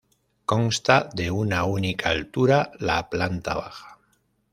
Consta de una única altura, la planta baja.